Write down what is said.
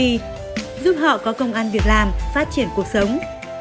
giúp họ có công an việc làm phát triển cuộc sống